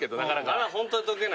あれはホントに溶けない。